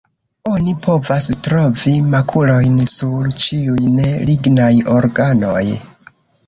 Oni povas trovi makulojn sur ĉiuj ne lignaj organoj.